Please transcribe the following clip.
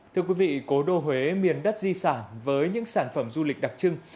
thưa quý vị cố đô huế miền đất di sản với những sản phẩm du lịch đặc trưng